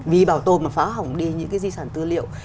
vì bảo tồn mà phá hỏng đi những cái di sản tư liệu